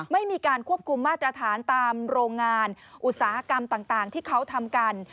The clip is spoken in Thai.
ไม่มีการควบคุมมาตรฐานตามโรงงานอุตสาหกรรมต่างที่เขาทำกัน